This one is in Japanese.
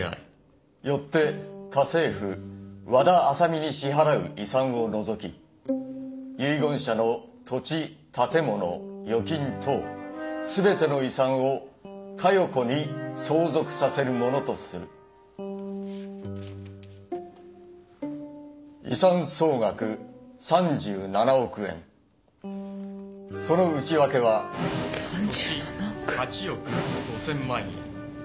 「よって家政婦和田あさみに支払う遺産を除き遺言者の土地建物預金等全ての遺産を加代子に相続させるものとする」「遺産総額三十七億円」「その内訳は土地八億五千万円」３７億。